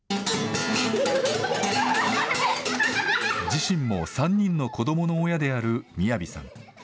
自身も３人の子どもの親であるＭＩＹＡＶＩさん。